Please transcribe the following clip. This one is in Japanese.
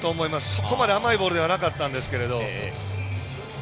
そこまで甘いボールではなかったんですけど。